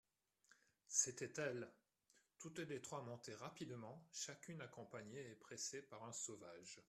C'étaient elles ! toutes les trois montaient rapidement, chacune accompagnée et pressée par un sauvage.